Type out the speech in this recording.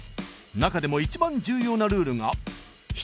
中でも一番重要なルールが例えば。